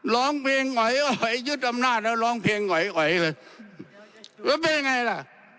ร้องเพลงไหวยึดอำนาจแล้วร้องเพลงไหวแล้วเป็นไงล่ะ